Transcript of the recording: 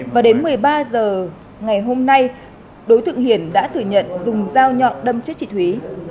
và đến một mươi ba h ngày hôm nay đối tượng hiển đã thử nhận dùng dao nhọn đâm chết chị thúy